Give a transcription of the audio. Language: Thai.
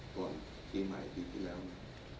ก่อนปีใหม่ปีที่แล้วนะ